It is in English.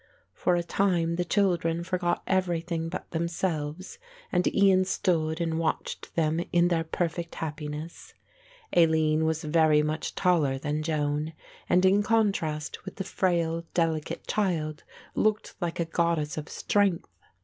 For a time the children forgot everything but themselves and Ian stood and watched them in their perfect happiness. Aline was very much taller than Joan and in contrast with the frail delicate child looked like a goddess of strength.